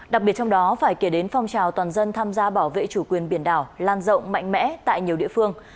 đặc biệt trong đó phải kể đến phong trào toàn dân tham gia bảo vệ chủ quyền biển đảo lan rộng mạnh mẽ tại nhiều địa phương